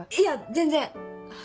全然！